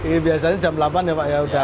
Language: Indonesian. ini biasanya jam delapan ya pak ya